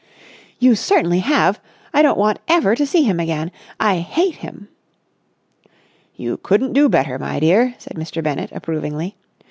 "You certainly have! I don't want ever to see him again! I hate him!" "You couldn't do better, my dear," said Mr. Bennett, approvingly.